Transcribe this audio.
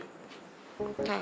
oh mana yuk